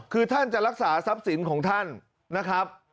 คือท่านจะรักษาทรัพย์สินของท่านนะครับ